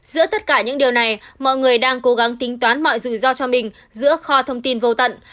giữa tất cả những điều này mọi người đang cố gắng tính toán mọi rủi ro cho mình giữa kho thông tin vô tận